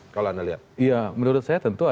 kalau anda lihat ya menurut saya tentu